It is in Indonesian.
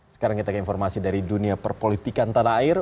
sekarang kita ke informasi dari dunia perpolitikan tanah air